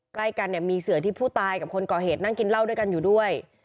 ใกล้กันเนี่ยมีเสือที่ผู้ตายกับคนก่อเหตุนั่งกินเหล้าด้วยกันอยู่ด้วย